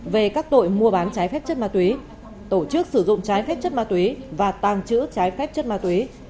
về các tội mua bán trái phép chất ma túy tổ chức sử dụng trái phép chất ma túy và tàng trữ trái phép chất ma túy